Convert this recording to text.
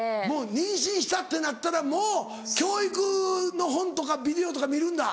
妊娠したってなったらもう教育の本とかビデオとか見るんだ。